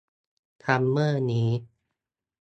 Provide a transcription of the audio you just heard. ซัมเมอร์นี้